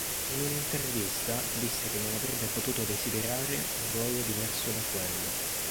In un'intervista disse che non avrebbe potuto desiderare un ruolo diverso da quello.